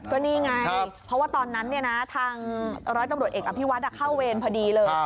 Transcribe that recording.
ก็นี่ไงเพราะว่าตอนนั้นทางร้อยตำรวจเอกอภิวัฒน์เข้าเวรพอดีเลย